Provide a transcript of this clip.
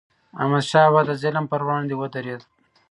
احمدشاه بابا به د ظلم پر وړاندې ودرید.